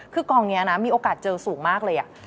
คือกองนี้นะมีโอกาสเจอสูงมากเลย